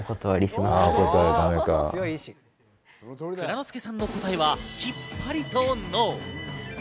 藏之輔さんの答えは、きっぱりとＮＯ。